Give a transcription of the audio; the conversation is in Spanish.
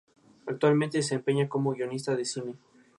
Actualmente se desempeña como guionista de cine.